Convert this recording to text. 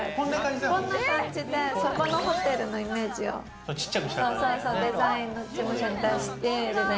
こんな感じで、そこのホテルのイメージをデザインの事務所に出して。